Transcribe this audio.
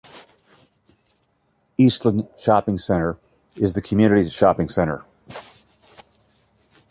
Eastland Shopping Center is the community's shopping center.